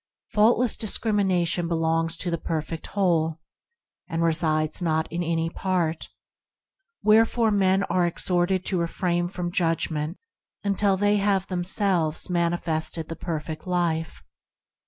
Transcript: Faultless discrimination belongs to the Per fect Whole, and resides not in any part, wherefore men are exhorted to refrain from judgment until they have themselves mani fested the Perfect Life.